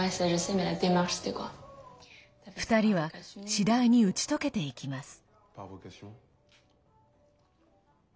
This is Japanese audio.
２人は次第に打ち解けていきます。